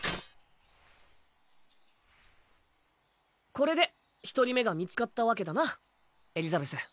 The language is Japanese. これで一人目が見つかったわけだなエリザベス。